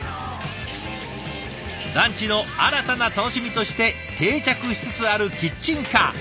ランチの新たな楽しみとして定着しつつあるキッチンカー。